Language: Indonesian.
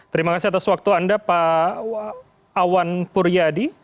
terima kasih atas waktu anda pak awan puryadi